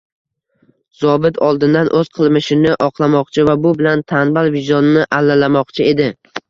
Zobit oldindan o`z qilmishini oqlamoqchi va bu bilan tanbal vijdonini allalamoqchi edi